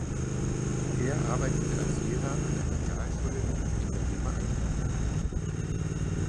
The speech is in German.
Er arbeitete als Lehrer an einer Realschule in der Bremer Altstadt.